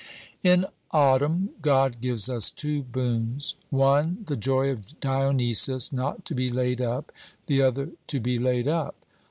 In autumn God gives us two boons one the joy of Dionysus not to be laid up the other to be laid up.